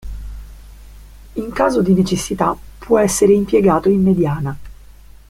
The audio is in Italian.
In caso di necessità può essere impiegato in mediana.